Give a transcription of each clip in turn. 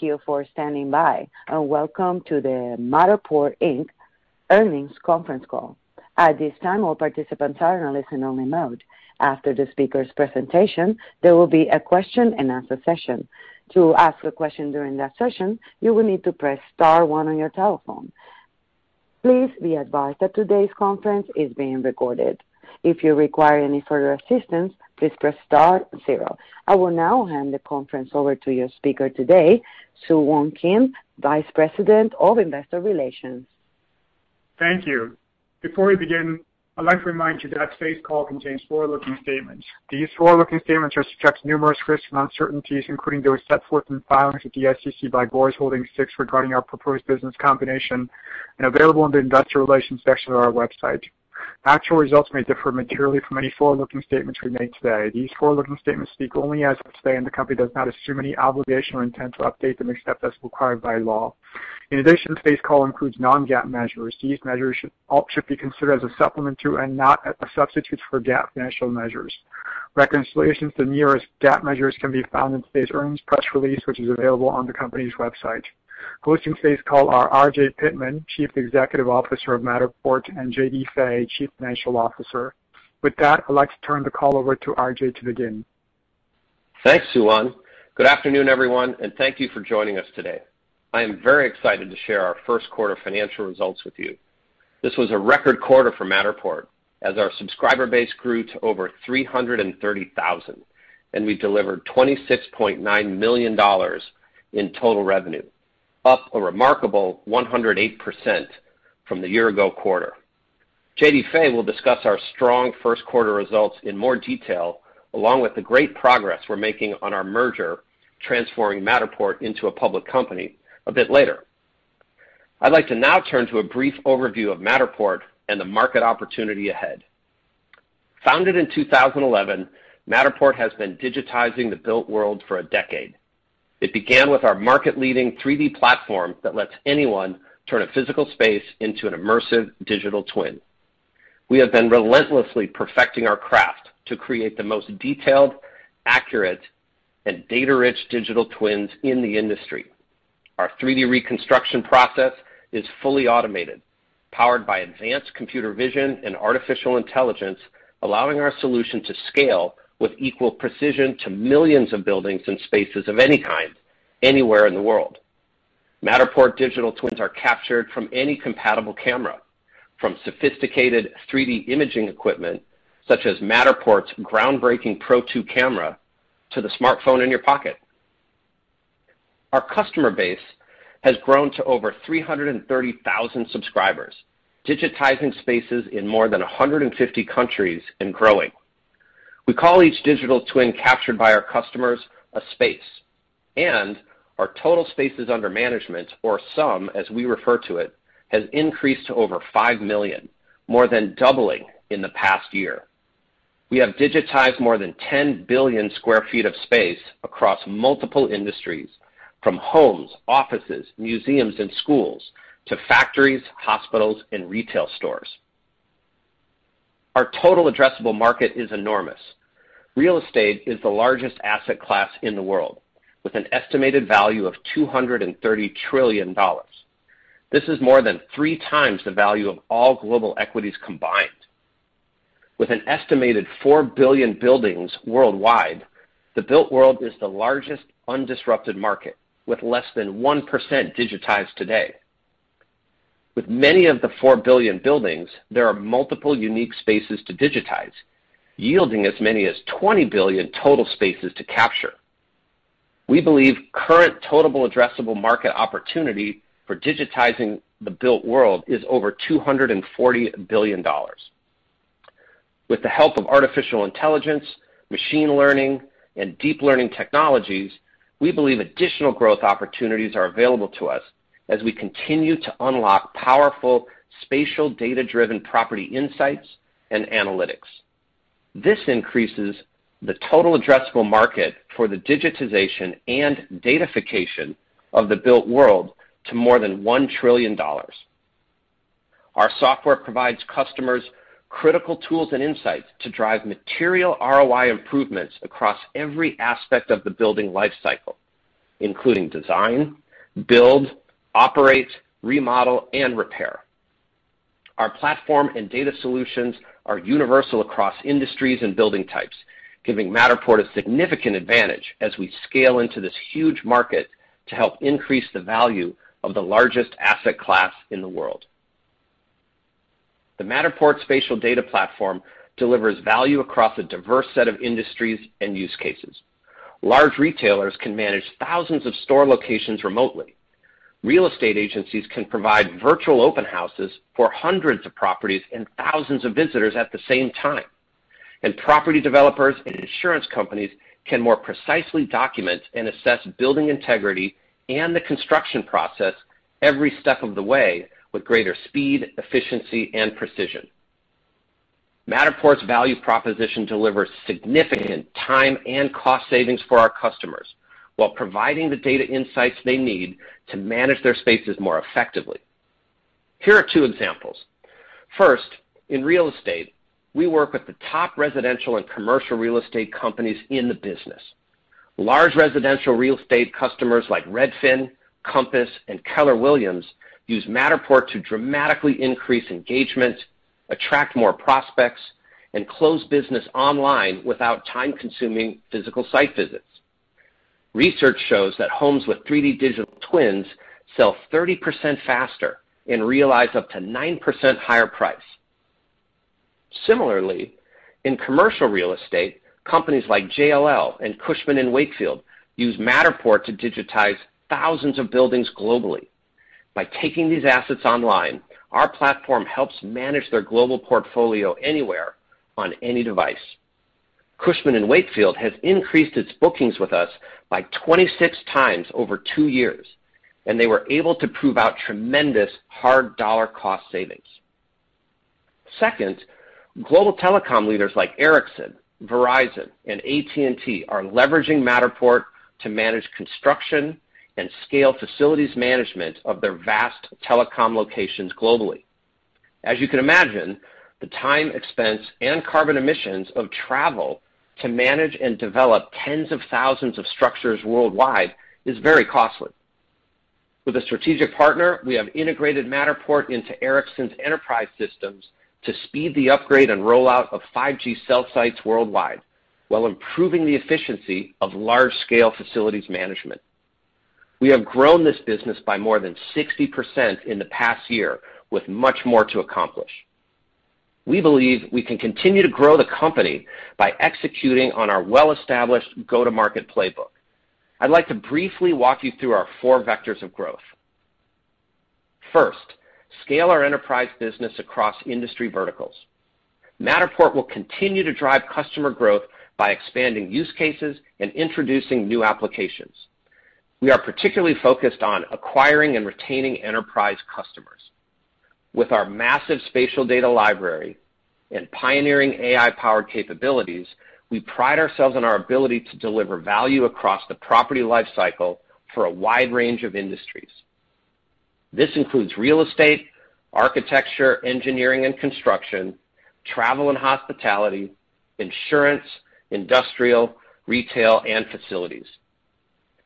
Thank you for standing by, and welcome to the Matterport Inc. Earnings Conference Call. I will now hand the conference over to your speaker today, Soohwan Kim, Vice President of Investor Relations. Thank you. Before we begin, I'd like to remind you that today's call contains forward-looking statements. These forward-looking statements are subject to numerous risks and uncertainties, including those set forth in filing with the SEC by Gores Holdings VI regarding our proposed business combination and available in the investor relations section of our website. Actual results may differ materially from any forward-looking statements we make today. These forward-looking statements speak only as of today, and the company does not assume any obligation or intent to update them except as required by law. In addition, today's call includes non-GAAP measures. These measures should be considered as a supplement to and not a substitute for GAAP financial measures. Reconciliations to the nearest GAAP measures can be found in today's earnings press release, which is available on the company's website. Hosting today's call are RJ Pittman, Chief Executive Officer of Matterport, and J.D. Fay, Chief Financial Officer. With that, I'd like to turn the call over to RJ to begin. Thanks, Soohwan. Good afternoon, everyone, and thank you for joining us today. I am very excited to share our first quarter financial results with you. This was a record quarter for Matterport, as our subscriber base grew to over 330,000, and we delivered $26.9 million in total revenue, up a remarkable 108% from the year-ago quarter. J.D. Fay will discuss our strong first quarter results in more detail, along with the great progress we're making on our merger, transforming Matterport into a public company, a bit later. I'd like to now turn to a brief overview of Matterport and the market opportunity ahead. Founded in 2011, Matterport has been digitizing the built world for a decade. It began with our market-leading 3D platform that lets anyone turn a physical space into an immersive digital twin. We have been relentlessly perfecting our craft to create the most detailed, accurate, and data-rich digital twins in the industry. Our 3D reconstruction process is fully automated, powered by advanced computer vision and artificial intelligence, allowing our solution to scale with equal precision to millions of buildings and spaces of any kind, anywhere in the world. Matterport digital twins are captured from any compatible camera, from sophisticated 3D imaging equipment, such as Matterport's groundbreaking Pro2 Camera, to the smartphone in your pocket. Our customer base has grown to over 330,000 subscribers, digitizing spaces in more than 150 countries and growing. We call each digital twin captured by our customers a space. Our total spaces under management, or SUM, as we refer to it, has increased to over 5 million, more than doubling in the past year. We have digitized more than 10 billion sq ft of space across multiple industries, from homes, offices, museums, and schools to factories, hospitals, and retail stores. Our total addressable market is enormous. Real estate is the largest asset class in the world, with an estimated value of $230 trillion. This is more than 3x the value of all global equities combined. With an estimated 4 billion buildings worldwide, the built world is the largest undisrupted market, with less than 1% digitized today. Within many of the 4 billion buildings, there are multiple unique spaces to digitize, yielding as many as 20 billion total spaces to capture. We believe current total addressable market opportunity for digitizing the built world is over $240 billion. With the help of artificial intelligence, machine learning, and deep learning technologies, we believe additional growth opportunities are available to us as we continue to unlock powerful spatial data-driven property insights and analytics. This increases the total addressable market for the digitization and datafication of the built world to more than $1 trillion. Our software provides customers critical tools and insights to drive material ROI improvements across every aspect of the building lifecycle, including design, build, operate, remodel, and repair. Our platform and data solutions are universal across industries and building types, giving Matterport a significant advantage as we scale into this huge market to help increase the value of the largest asset class in the world. The Matterport spatial data platform delivers value across a diverse set of industries and use cases. Large retailers can manage thousands of store locations remotely. Real estate agencies can provide virtual open houses for hundreds of properties and thousands of visitors at the same time. Property developers and insurance companies can more precisely document and assess building integrity and the construction process every step of the way with greater speed, efficiency, and precision. Matterport's value proposition delivers significant time and cost savings for our customers while providing the data insights they need to manage their spaces more effectively. Here are two examples. First, in real estate, we work with the top residential and commercial real estate companies in the business. Large residential real estate customers like Redfin, Compass, and Keller Williams use Matterport to dramatically increase engagement, attract more prospects, and close business online without time-consuming physical site visits. Research shows that homes with 3D digital twins sell 30% faster and realize up to 9% higher price. Similarly, in commercial real estate, companies like JLL and Cushman & Wakefield use Matterport to digitize thousands of buildings globally. By taking these assets online, our platform helps manage their global portfolio anywhere on any device. Cushman & Wakefield has increased its bookings with us by 26 times over two years, and they were able to prove out tremendous hard dollar cost savings. Second, global telecom leaders like Ericsson, Verizon, and AT&T are leveraging Matterport to manage construction and scale facilities management of their vast telecom locations globally. As you can imagine, the time, expense, and carbon emissions of travel to manage and develop tens of thousands of structures worldwide is very costly. With a strategic partner, we have integrated Matterport into Ericsson's enterprise systems to speed the upgrade and rollout of 5G cell sites worldwide while improving the efficiency of large-scale facilities management. We have grown this business by more than 60% in the past year with much more to accomplish. We believe we can continue to grow the company by executing on our well-established go-to-market playbook. I'd like to briefly walk you through our four vectors of growth. First, scale our enterprise business across industry verticals. Matterport will continue to drive customer growth by expanding use cases and introducing new applications. We are particularly focused on acquiring and retaining enterprise customers. With our massive spatial data library and pioneering AI-powered capabilities, we pride ourselves on our ability to deliver value across the property lifecycle for a wide range of industries. This includes real estate, architecture, engineering and construction, travel and hospitality, insurance, industrial, retail, and facilities.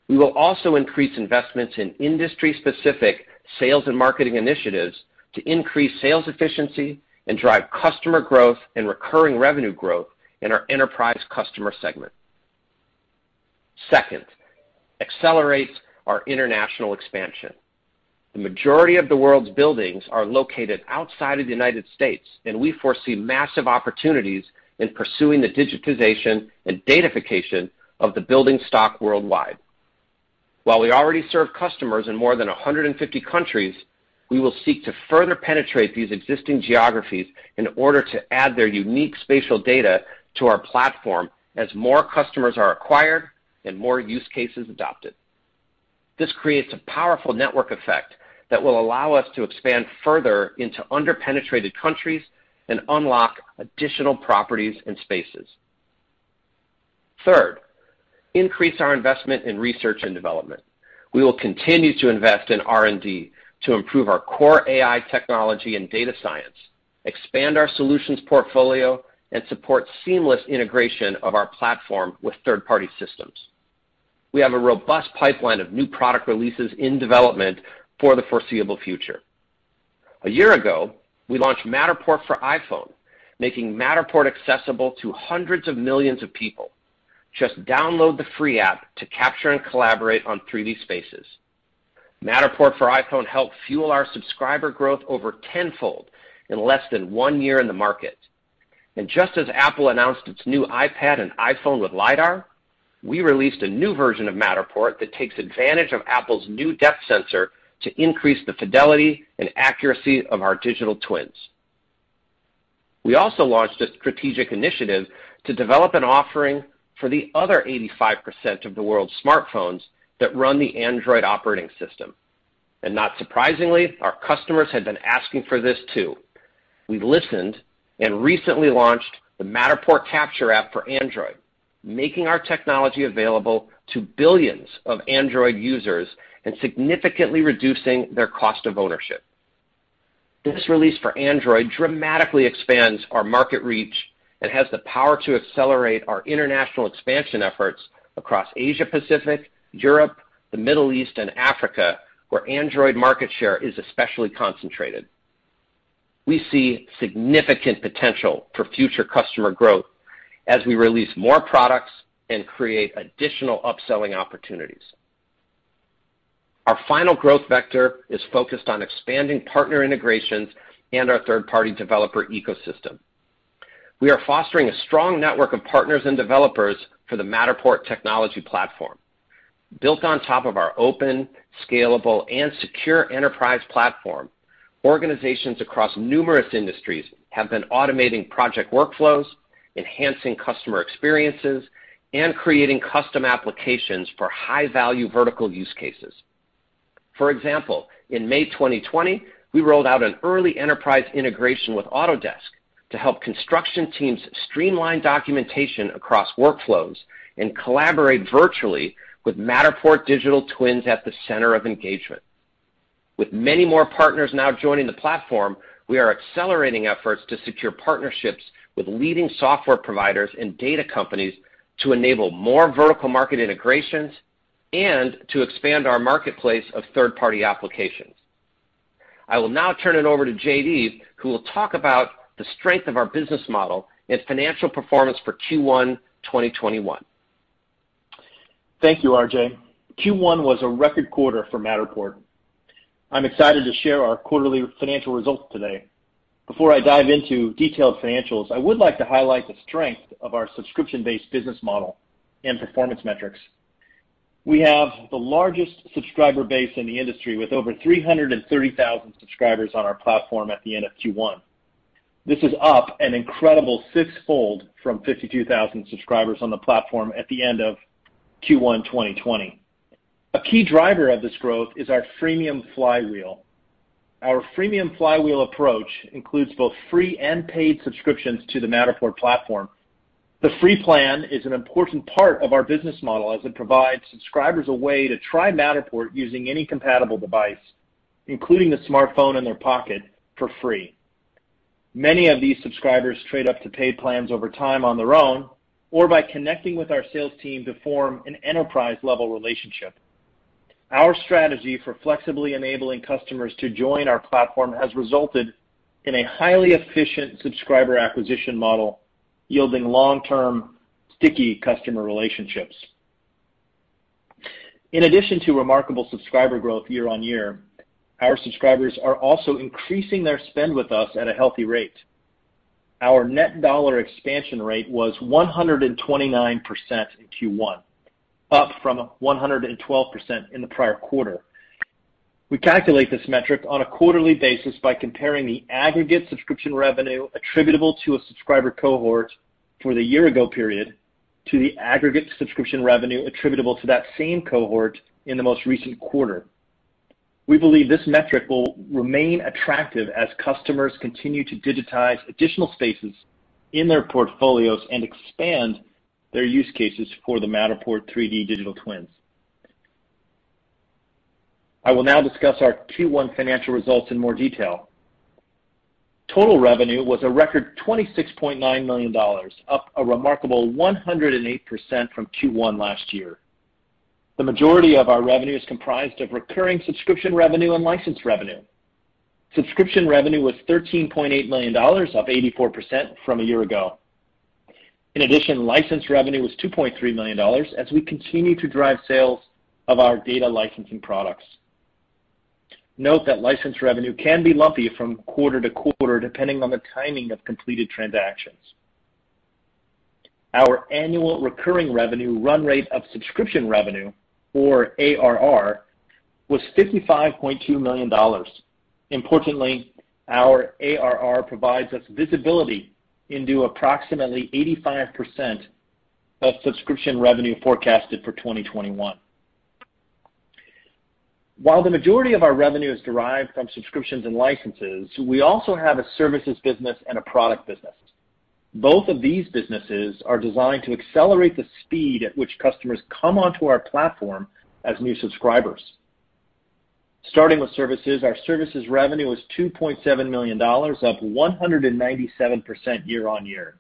We will also increase investments in industry-specific sales and marketing initiatives to increase sales efficiency and drive customer growth and recurring revenue growth in our enterprise customer segment. Second, accelerate our international expansion. The majority of the world's buildings are located outside of the United States. We foresee massive opportunities in pursuing the digitization and datafication of the building stock worldwide. While we already serve customers in more than 150 countries, we will seek to further penetrate these existing geographies in order to add their unique spatial data to our platform as more customers are acquired and more use cases adopted. This creates a powerful network effect that will allow us to expand further into under-penetrated countries and unlock additional properties and spaces. Third, increase our investment in R&D. We will continue to invest in R&D to improve our core AI technology and data science, expand our solutions portfolio, and support seamless integration of our platform with third-party systems. We have a robust pipeline of new product releases in development for the foreseeable future. A year ago, we launched Matterport for iPhone, making Matterport accessible to hundreds of millions of people. Just download the free app to capture and collaborate on 3D spaces. Matterport for iPhone helped fuel our subscriber growth over tenfold in less than one year in the market. Just as Apple announced its new iPad and iPhone with LiDAR, we released a new version of Matterport that takes advantage of Apple's new depth sensor to increase the fidelity and accuracy of our digital twins. We also launched a strategic initiative to develop an offering for the other 85% of the world's smartphones that run the Android operating system. Not surprisingly, our customers had been asking for this, too. We listened and recently launched the Matterport Capture app for Android, making our technology available to billions of Android users and significantly reducing their cost of ownership. This release for Android dramatically expands our market reach and has the power to accelerate our international expansion efforts across Asia-Pacific, Europe, the Middle East, and Africa, where Android market share is especially concentrated. We see significant potential for future customer growth as we release more products and create additional upselling opportunities. Our final growth vector is focused on expanding partner integrations and our third-party developer ecosystem. We are fostering a strong network of partners and developers for the Matterport technology platform. Built on top of our open, scalable, and secure enterprise platform, organizations across numerous industries have been automating project workflows, enhancing customer experiences, and creating custom applications for high-value vertical use cases. For example, in May 2020, we rolled out an early enterprise integration with Autodesk. To help construction teams streamline documentation across workflows and collaborate virtually with Matterport digital twins at the center of engagement. With many more partners now joining the platform, we are accelerating efforts to secure partnerships with leading software providers and data companies to enable more vertical market integrations and to expand our marketplace of third-party applications. I will now turn it over to J.D., who will talk about the strength of our business model and financial performance for Q1 2021. Thank you, RJ. Q1 was a record quarter for Matterport. I'm excited to share our quarterly financial results today. Before I dive into detailed financials, I would like to highlight the strength of our subscription-based business model and performance metrics. We have the largest subscriber base in the industry, with over 330,000 subscribers on our platform at the end of Q1. This is up an incredible sixfold from 52,000 subscribers on the platform at the end of Q1 2020. A key driver of this growth is our freemium flywheel. Our freemium flywheel approach includes both free and paid subscriptions to the Matterport platform. The free plan is an important part of our business model, as it provides subscribers a way to try Matterport using any compatible device, including the smartphone in their pocket, for free. Many of these subscribers trade up to paid plans over time on their own, or by connecting with our sales team to form an enterprise-level relationship. Our strategy for flexibly enabling customers to join our platform has resulted in a highly efficient subscriber acquisition model, yielding long-term, sticky customer relationships. In addition to remarkable subscriber growth year-on-year, our subscribers are also increasing their spend with us at a healthy rate. Our net dollar expansion rate was 129% in Q1, up from 112% in the prior quarter. We calculate this metric on a quarterly basis by comparing the aggregate subscription revenue attributable to a subscriber cohort for the year-ago period to the aggregate subscription revenue attributable to that same cohort in the most recent quarter. We believe this metric will remain attractive as customers continue to digitize additional spaces in their portfolios and expand their use cases for the Matterport 3D digital twins. I will now discuss our Q1 financial results in more detail. Total revenue was a record $26.9 million, up a remarkable 108% from Q1 last year. The majority of our revenue is comprised of recurring subscription revenue and license revenue. Subscription revenue was $13.8 million, up 84% from a year ago. In addition, license revenue was $2.3 million, as we continue to drive sales of our data licensing products. Note that license revenue can be lumpy from quarter to quarter, depending on the timing of completed transactions. Our annual recurring revenue run rate of subscription revenue, or ARR, was $55.2 million. Importantly, our ARR provides us visibility into approximately 85% of subscription revenue forecasted for 2021. While the majority of our revenue is derived from subscriptions and licenses, we also have a services business and a product business. Both of these businesses are designed to accelerate the speed at which customers come onto our platform as new subscribers. Starting with services, our services revenue was $2.7 million, up 197% year on year.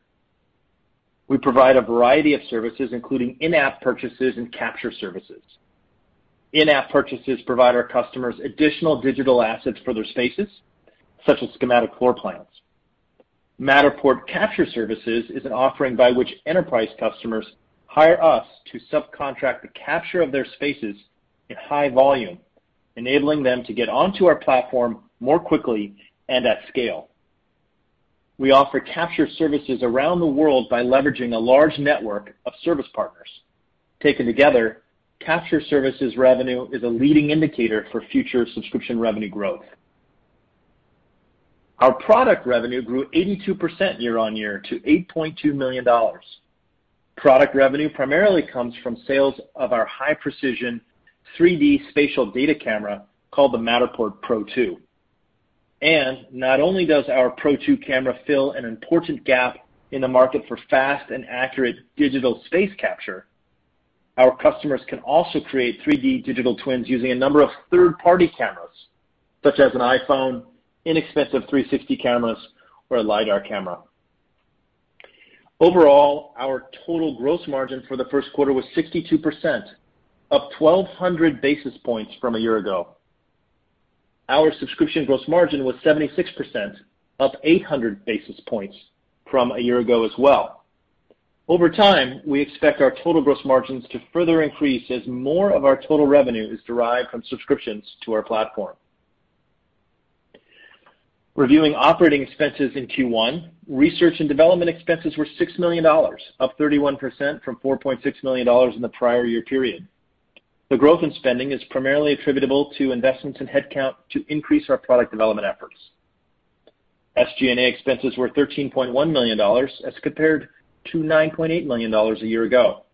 We provide a variety of services, including in-app purchases and capture services. In-app purchases provide our customers additional digital assets for their spaces, such as schematic floor plans. Matterport Capture Services is an offering by which enterprise customers hire us to subcontract the capture of their spaces in high volume, enabling them to get onto our platform more quickly and at scale. We offer Capture Services around the world by leveraging a large network of service partners. Taken together, Capture Services revenue is a leading indicator for future subscription revenue growth. Our product revenue grew 82% year-over-year to $8.2 million. Product revenue primarily comes from sales of our high-precision 3D spatial data camera, called the Matterport Pro2. Not only does our Pro2 camera fill an important gap in the market for fast and accurate digital space capture, our customers can also create 3D digital twins using a number of third-party cameras, such as an iPhone, inexpensive 360 cameras, or a LiDAR camera. Overall, our total gross margin for the first quarter was 62%, up 1,200 basis points from a year ago. Our subscription gross margin was 76%, up 800 basis points from a year ago as well. Over time, we expect our total gross margins to further increase as more of our total revenue is derived from subscriptions to our platform. Reviewing operating expenses in Q1, research and development expenses were $6 million, up 31% from $4.6 million in the prior year period. The growth in spending is primarily attributable to investments in headcount to increase our product development efforts. SG&A expenses were $13.1 million as compared to $9.8 million a year ago.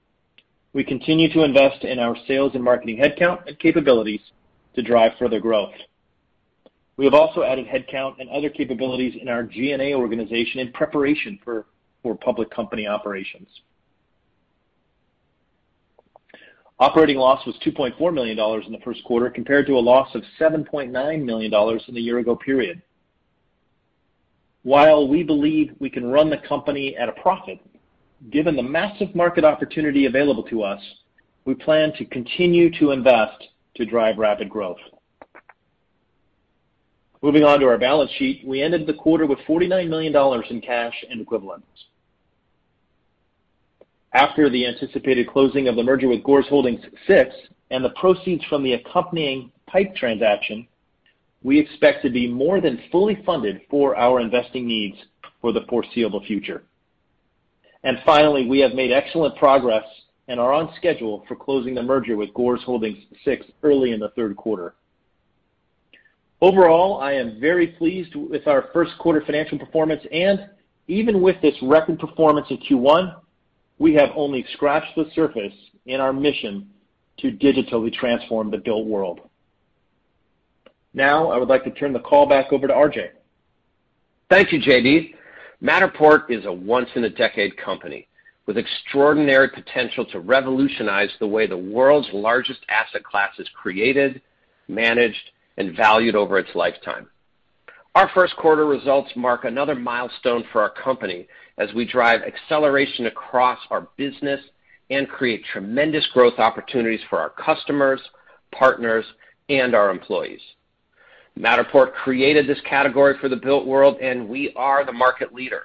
We continue to invest in our sales and marketing headcount and capabilities to drive further growth. We have also added headcount and other capabilities in our G&A organization in preparation for public company operations. Operating loss was $2.4 million in the first quarter, compared to a loss of $7.9 million in the year-ago period. While we believe we can run the company at a profit, given the massive market opportunity available to us, we plan to continue to invest to drive rapid growth. Moving on to our balance sheet, we ended the quarter with $49 million in cash and equivalents. After the anticipated closing of the merger with Gores Holdings VI and the proceeds from the accompanying PIPE transaction, we expect to be more than fully funded for our investing needs for the foreseeable future. Finally, we have made excellent progress and are on schedule for closing the merger with Gores Holdings VI early in the third quarter. Overall, I am very pleased with our first quarter financial performance, and even with this record performance in Q1, we have only scratched the surface in our mission to digitally transform the built world. Now, I would like to turn the call back over to RJ. Thank you, J.D. Matterport is a once-in-a-decade company with extraordinary potential to revolutionize the way the world's largest asset class is created, managed, and valued over its lifetime. Our first quarter results mark another milestone for our company as we drive acceleration across our business and create tremendous growth opportunities for our customers, partners, and our employees. Matterport created this category for the built world, and we are the market leader.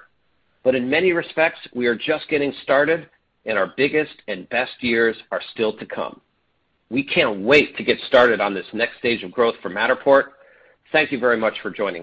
In many respects, we are just getting started, and our biggest and best years are still to come. We can't wait to get started on this next stage of growth for Matterport. Thank you very much for joining us